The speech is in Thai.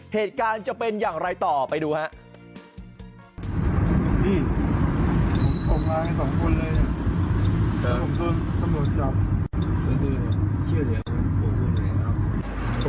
เหตุการณ์จะเป็นอย่างไรต่อไปดูครับ